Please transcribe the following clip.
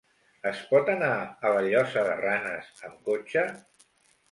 Es pot anar a la Llosa de Ranes amb cotxe?